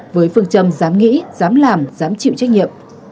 với phương châm dám nghĩ dám làm dám chịu trách nhiệm